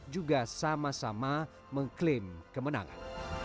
juga sama sama mengklaim kemenangan